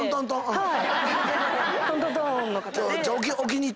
はい。